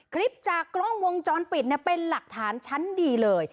คลิปจากกล้องวงจรปิดเป็นหลักฐานชั้นดีเลย